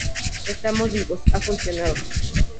estamos vivos. ha funcionado.